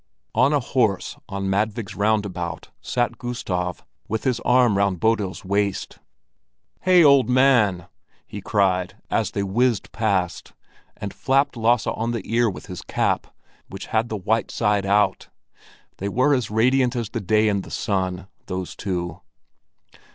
On a horse on Madvig's roundabout sat Gustav with his arm round Bodil's waist. "Hey, old man!" he cried, as they whizzed past, and flapped Lasse on the ear with his cap, which had the white side out. They were as radiant as the day and the sun, those two.